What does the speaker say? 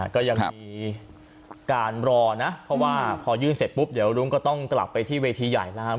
ก็ยังมีการรอนะเพราะว่าพอยื่นเสร็จปุ๊บเดี๋ยวรุ้งก็ต้องกลับไปที่เวทีใหญ่นะครับ